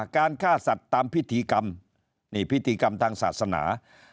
การฆ่าสัตว์ตามพิธีกรรมนี่พิธีกรรมทางศาสนา